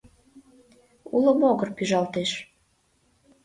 Уло могыр пӱжалтеш.